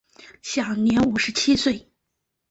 享年五十七岁。